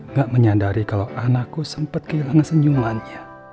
nggak menyadari kalau anakku sempat kehilangan senyumannya